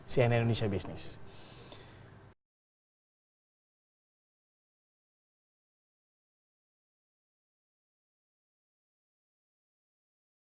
sian indonesia business